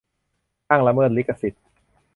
อ้างละเมิดลิขสิทธิ์